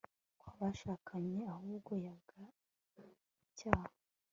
kwa bashakanye ahubwo yanga icyaha